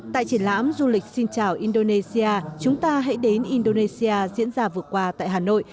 tại triển lãm du lịch xin chào indonesia chúng ta hãy đến indonesia diễn ra vừa qua tại hà nội